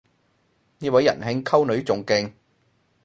呢位人兄溝女仲勁